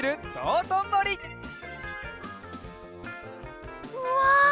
うわ！